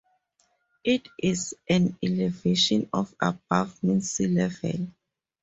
It is at an elevation of above mean sea level.